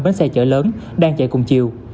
bến xe chở lớn đang chạy cùng chiều